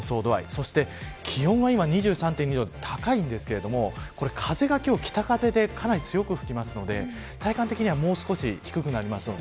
そして気温が２３．２度と高いんですが風が北風でかなり強く吹きますので体感的にはもう少し低くなります。